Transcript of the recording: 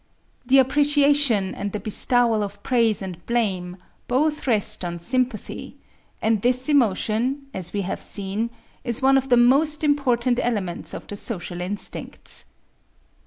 The appreciation and the bestowal of praise and blame both rest on sympathy; and this emotion, as we have seen, is one of the most important elements of the social instincts.